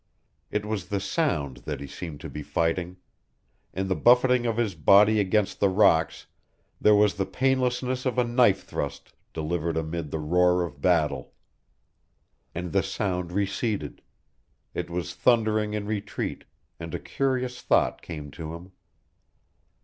It was the SOUND that he seemed to be fighting; in the buffeting of his body against the rocks there was the painlessness of a knife thrust delivered amid the roar of battle. And the sound receded. It was thundering in retreat, and a curious thought came to him.